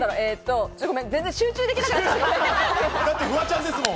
全然集中できなかった。